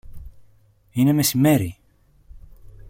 Είναι μεσημέρι!